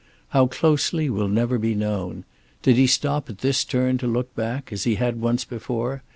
How closely will never be known. Did he stop at this turn to look back, as he had once before?